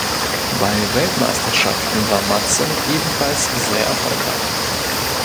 Bei Weltmeisterschaften war Madsen ebenfalls sehr erfolgreich.